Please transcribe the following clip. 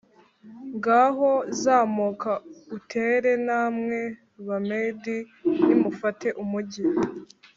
ngaho zamuka utere; namwe, Bamedi, nimufate umugi!